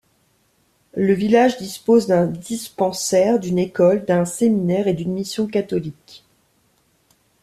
Le village dispose d'un dispensaire, d'une école, d'un séminaire et d'une mission catholiques.